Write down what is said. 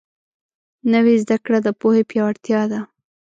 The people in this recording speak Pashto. نوې زده کړه د پوهې پیاوړتیا ده